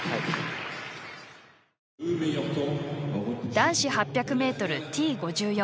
男子８００ｍＴ５４